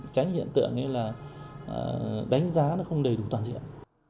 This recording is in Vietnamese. tránh hiện tượng là đánh giá nó không đầy đủ toàn diện